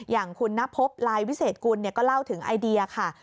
อย่างคุณนพบลายวิเศษกุลก็เล่าถึงไอเดียค่ะ